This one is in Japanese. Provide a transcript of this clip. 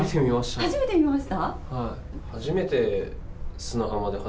初めて見ました。